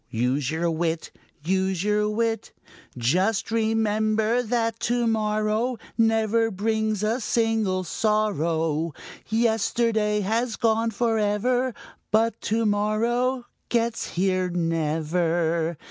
Use your wit! Use your wit! Just remember that to morrow Never brings a single sorrow. Yesterday has gone forever And to morrow gets here never.